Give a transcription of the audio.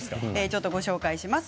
ご紹介します。